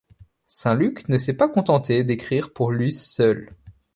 Saint-Luc ne s'est pas contenté d'écrire pour luth seul.